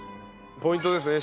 ポイントですね。